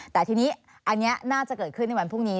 แต่ทีนี้อันนี้น่าจะเกิดขึ้นในวันพรุ่งนี้